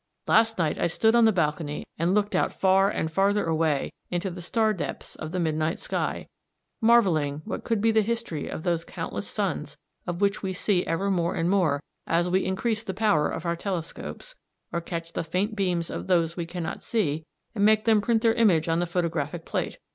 Last night I stood on the balcony and looked out far and farther away into the star depths of the midnight sky, marvelling what could be the history of those countless suns of which we see ever more and more as we increase the power of our telescopes, or catch the faint beams of those we cannot see and make them print their image on the photographic plate.